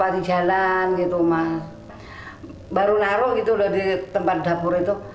di jalan gitu mas baru naruh gitu loh di tempat dapur itu